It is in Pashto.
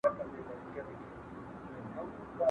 زۀ خو هر وخت ستا نه زار وومه او يم